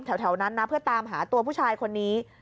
แถวนั้นนะเพื่อตามหาตัวผู้ชายคนนี้